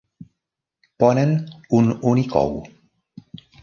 Ponen un únic ou.